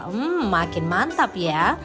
hmm makin mantap ya